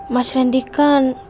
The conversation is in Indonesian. mas rendy kan